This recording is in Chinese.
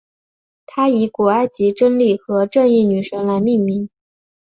它以古埃及真理和正义女神来命名。